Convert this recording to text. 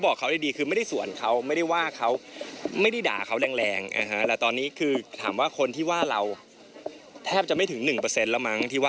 ก็เรื่องของการทำความดีค่ะอะไรที่ทำแล้วดีต่อคนอื่นนะ